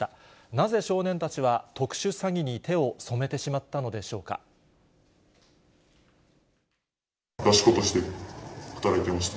なぜ、少年たちは特殊詐欺に手を出し子として、働いてました。